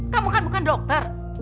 kamu kan bukan dokter